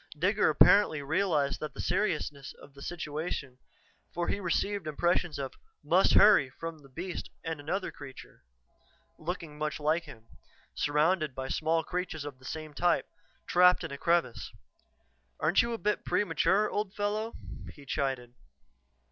Digger apparently realized the seriousness of the situation, for he received impressions of "must hurry" from the beast and another creature, looking much like him, surrounded by small creatures of the same type, trapped in a crevice. "Aren't you a bit premature, old fellow," he chided.